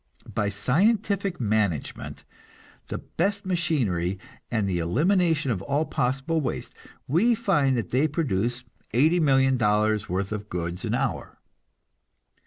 By scientific management, the best machinery, and the elimination of all possible waste, we find that they produce eighty million dollars worth of goods an hour.